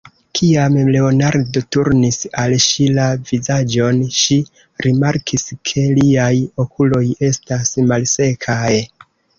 Kiam Leonardo turnis al ŝi la vizaĝon, ŝi rimarkis, ke liaj okuloj estas malsekaj.